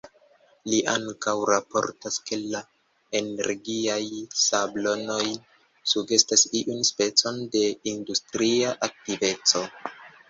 Li ankaŭ raportas, ke la energiaj ŝablonoj sugestas iun specon de industria aktiveco.